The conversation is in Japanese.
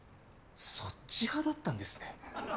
そっち派だったんですね。